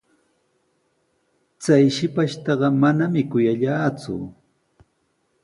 Chay shipashtaqa manami kuyallaaku.